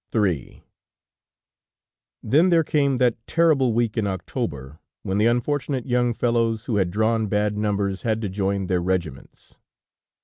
III Then there came that terrible week in October when the unfortunate young fellows who had drawn bad numbers had to join their regiments.